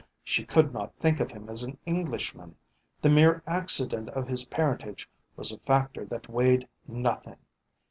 She could not think of him as an Englishman. The mere accident of his parentage was a factor that weighed nothing.